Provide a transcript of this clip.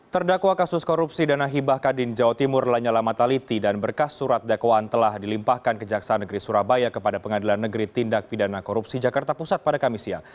terdakwa kasus korupsi dana hibah kadin jawa timur lanyala mataliti dan berkas surat dakwaan telah dilimpahkan kejaksaan negeri surabaya kepada pengadilan negeri tindak pidana korupsi jakarta pusat pada kamis siang